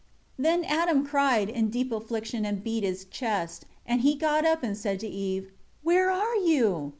5 Then Adam cried, in deep affliction, and beat his chest; and he got up and said to Eve, "Where are you?"